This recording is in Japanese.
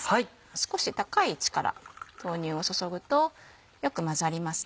少し高い位置から豆乳を注ぐとよく混ざります。